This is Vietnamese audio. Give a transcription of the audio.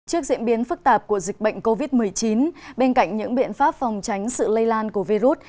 trước diễn biến phức tạp của dịch bệnh covid một mươi chín bên cạnh những biện pháp phòng tránh sự lây lan của virus